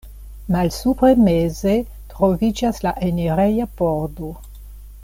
Malsupre meze troviĝas la enireja pordo.